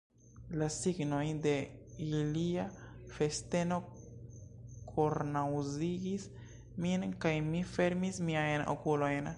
La signoj de ilia festeno kornaŭzigis min, kaj mi fermis miajn okulojn.